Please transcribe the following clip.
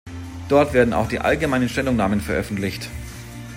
Dort werden auch die allgemeinen Stellungnahmen veröffentlicht.